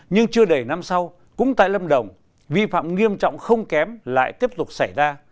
nhưng chưa đầy năm sau cũng tại lâm đồng vi phạm nghiêm trọng không kém lại tiếp tục xảy ra